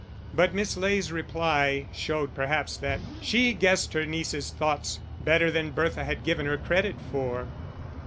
But Miss Ley's reply showed perhaps that she guessed her niece's thoughts better than Bertha had given her credit for.